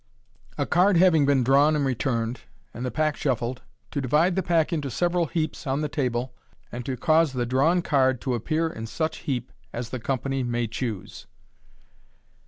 A. Card having been Drawn and Returned, and thb Pack shuffled, to divide the pack into several heaps on thb Table, and to cause the Drawn Card to appear in such heap as the Company MAi Choose.